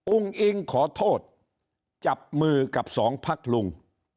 อิงขอโทษจับมือกับสองพักลุง